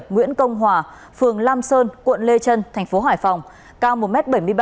nguyễn công hòa phường lam sơn quận lê trân thành phố hải phòng cao một m bảy mươi bảy